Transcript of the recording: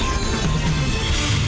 kisah novel baswedan